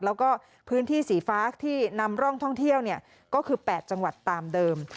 แล้วก็พื้นที่สีฟ้าที่นำร่องท่องเที่ยวก็คือ๘จังหวัดตามเดิม